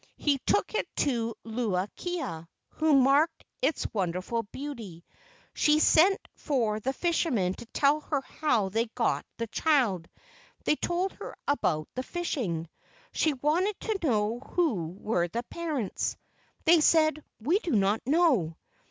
He took it to Luu kia, who marked its wonderful beauty. She sent for the fishermen to tell her how they got the child. They told her about the fishing. She wanted to know who were the parents. They said: "We do not know.